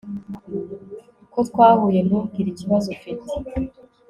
Ko twahuye ntumbwire ikibazo ufite